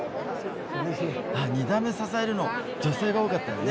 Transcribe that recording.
２段目支えるの女性が多かったよね